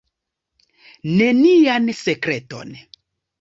Nenian sekreton.